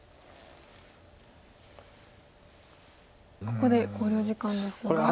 ここで考慮時間ですが。